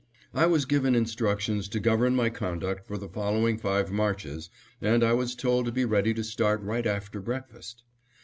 I was given instructions to govern my conduct for the following five marches and I was told to be ready to start right after breakfast.